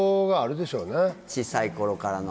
小さい頃からの。